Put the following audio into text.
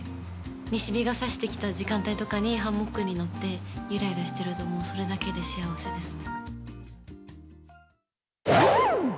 西日がさしてきた時間帯とかに、ハンモックに乗って、ゆらゆらしてると、もうそれだけで幸せですね。